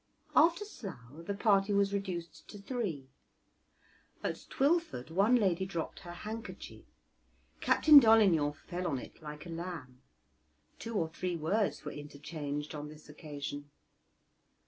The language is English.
After Slough the party was reduced to three. At Twylford one lady dropped her handkerchief; Captain Dolignan fell on it like a lamb; two or three words were interchanged on this occasion.